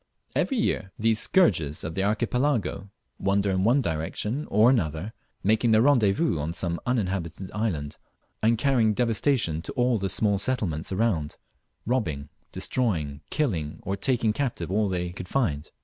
Every year these scourges of the Archipelago wander in one direction or another, making their rendezvous on some uninhabited island, and carrying devastation to all the small settlements around; robbing, destroying, killing, or taking captive all they nee with.